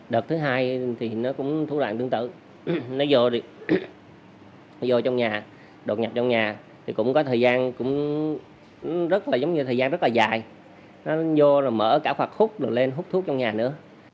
đợt thứ hai thì nó cũng thủ đoạn tương tự nó vô đi vô trong nhà đột nhập trong nhà thì cũng có thời gian cũng rất là giống như thời gian rất là dài nó vô rồi mở cả quạt khúc rồi lên hút thuốc trong nhà nữa